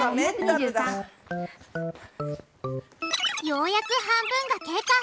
ようやく半分が経過！